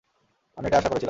আমি এটাই আশা করেছিলাম।